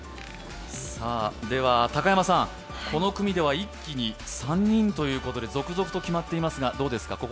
では高山さん、この組では一気に３人ということで、続々と決まっていますが、どうですか？